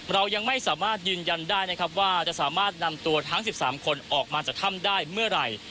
เรายังไม่สามารถยืนยันได้นะครับว่าจะสามารถนำตัวทั้ง๑๓คนออกมาจากถ้ำได้เมื่อไหร่